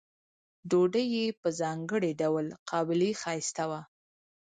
ډوډۍ یې په ځانګړي ډول قابلي ښایسته وه.